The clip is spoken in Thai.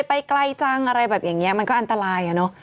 จะได้ไปใกล้จังอะไรแบบอย่างนี้มันอันตราย